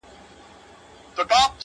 هم تر نارنج هم تر انار ښکلی دی٫